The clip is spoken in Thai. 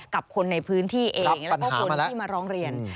กับคนในพื้นที่เองแล้วก็คนที่มาร้องเรียน